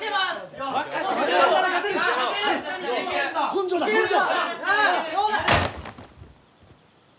根性だ根性！